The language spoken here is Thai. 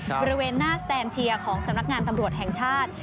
บริเวณหน้าสแตนเชียร์ของสำนักงานตำรวจแห่งชาติ